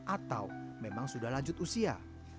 atau memang sudah lanjut usia